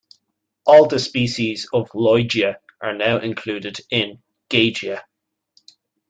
All the species of "Lloydia" are now included in "Gagea".